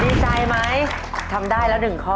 ดีใจไหมทำได้แล้วหนึ่งข้อ